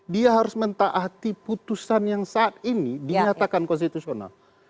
dia harus mentaati putusan yang saat ini dinyatakan konstitusional